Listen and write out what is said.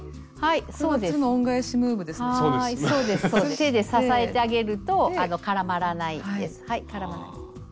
手で支えてあげると絡まらないです。